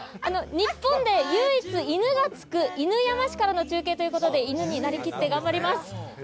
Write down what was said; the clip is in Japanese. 日本で唯一、犬がつく犬山市からの中継ということで、犬になりきって頑張ります。